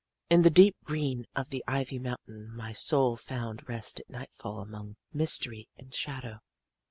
"In the deep green of the ivy mountain my soul found rest at nightfall among mystery and shadow.